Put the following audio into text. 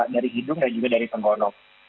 dari hidung dan juga dari tenggonok